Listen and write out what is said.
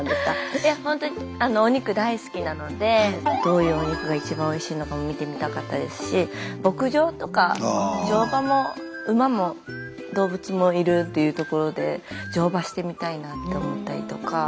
いやほんとにお肉大好きなのでどういうお肉が一番おいしいのかも見てみたかったですし牧場とか乗馬も馬も動物もいるというところで乗馬してみたいなって思ったりとか。